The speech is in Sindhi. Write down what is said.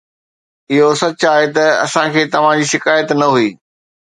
اهو سچ آهي ته اسان کي توهان جي شڪايت نه هئي